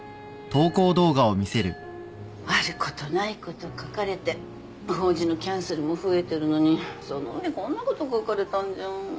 あることないこと書かれて法事のキャンセルも増えてるのにその上こんなこと書かれたんじゃ。